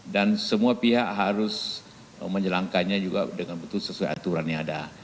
dan semua pihak harus menjelangkannya juga dengan betul sesuai aturannya ada